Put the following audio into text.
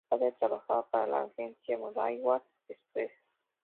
Su padre trabajaba para la agencia Railway Express.